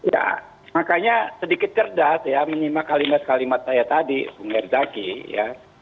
ya makanya sedikit cerdas ya menimah kalimat kalimat saya tadi sungir zaki ya